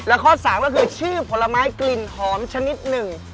และข้อสามก็คือชื่อผลไม้กลิ่นหอมชนิดหนึ่ง